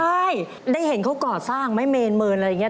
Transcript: ใช่ได้เห็นเขาก่อสร้างไหมเมนเมินอะไรอย่างนี้